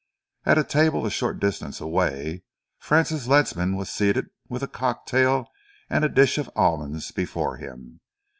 At a table a short distance away, Francis Ledsam was seated with a cocktail and a dish of almonds before him.